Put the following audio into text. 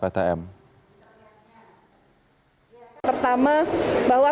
pertama bahwa ptm ini adalah sebuah perusahaan yang sangat berharga